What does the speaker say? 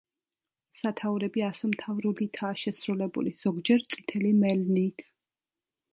სათაურები ასომთავრულითაა შესრულებული, ზოგჯერ წითელი მელნით.